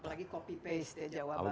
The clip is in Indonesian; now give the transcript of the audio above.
apalagi copy paste ya jawabannya